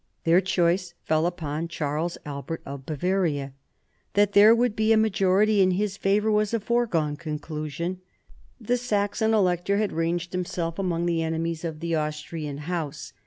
Their choice fell upon Charles Albert of Bavaria. That there would be a majority in his favour was a foregone conclusion. The Saxon Elector had ranged himself among the enemies of the Austrian House.